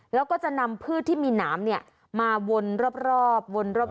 แล้วก็จะนำพืชที่มีน้ำเนี่ยมาวนรอบ